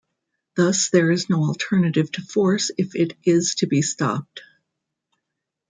Thus, there is no alternative to force if it is to be stopped.